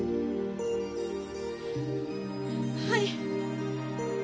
はい！